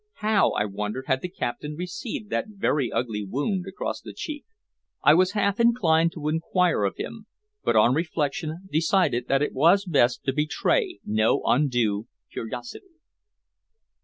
How, I wondered, had the captain received that very ugly wound across the cheek? I was half inclined to inquire of him, but on reflection decided that it was best to betray no undue curiosity.